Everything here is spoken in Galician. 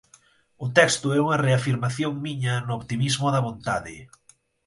O texto é unha reafirmación miña no optimismo da vontade.